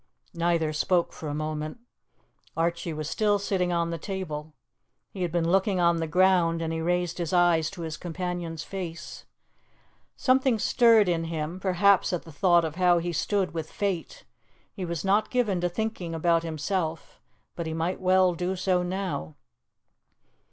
Neither spoke for a minute. Archie was still sitting on the table. He had been looking on the ground, and he raised his eyes to his companion's face. Something stirred in him, perhaps at the thought of how he stood with fate. He was not given to thinking about himself, but he might well do so now.